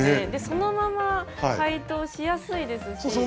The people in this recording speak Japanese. そのまま解凍しやすいですし。